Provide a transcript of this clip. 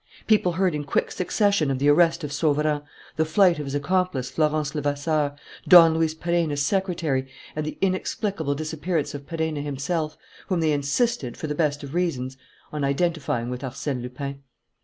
People heard in quick succession of the arrest of Sauverand, the flight of his accomplice, Florence Levasseur, Don Luis Perenna's secretary, and the inexplicable disappearance of Perenna himself, whom they insisted, for the best of reasons, on identifying with Arsène Lupin.